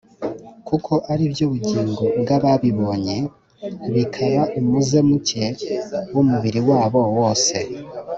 kuko ari byo bugingo bw’ababibonye, bikaba umuze muke w’umubiri wabo wose